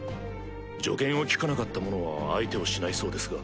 助言を聞かなかった者は相手をしないそうですが。